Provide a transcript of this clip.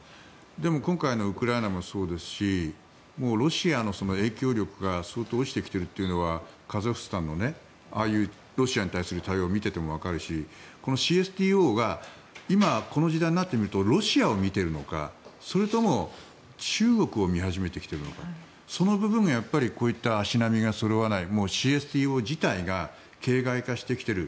でも今回のウクライナもそうですしロシアの影響力が落ちてきているのはカザフスタンのああいうロシアに対する対応を見ていてもわかるしＣＳＴＯが今この時代になってみるとロシアを見ているのかそれとも中国を見始めてきているのかそういった部分がこういった足並みがそろわないＣＳＴＯ自体が形がい化してきている。